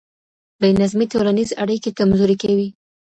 بې نظمي ټولنيز اړيکي کمزوري کوي.